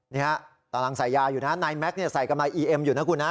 นี่ฮะตอนนั้นใส่ยาอยู่นะฮะนายแม็กเนี่ยใส่กับนายอีเอ็มอยู่นะคุณฮะ